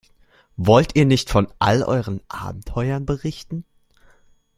Wollt ihr nicht von all euren Abenteuern berichten?